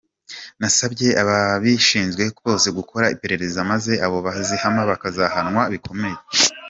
Nasabye ababishinzwe bose gukora iperereza maze abo bizahama bakazahanwa bikomeye.